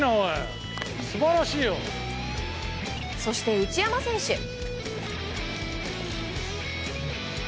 そして内山選手。